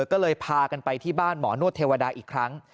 ก็เลยพากันไปที่บ้านหมอนวดเทวดาอีกครั้ง